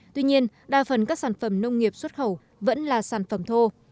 tuy nhiên đa phần các sản phẩm nông nghiệp xuất khẩu vẫn là sản phẩm thô